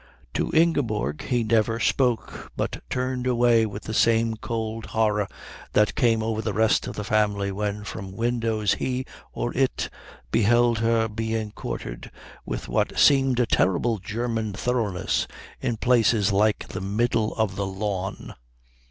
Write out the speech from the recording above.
To Ingeborg he never spoke, but turned away with the same cold horror that came over the rest of the family when from windows he or it beheld her being courted with what seemed a terrible German thoroughness in places like the middle of the lawn.